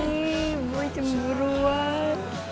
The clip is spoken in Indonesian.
wih boy cemburuan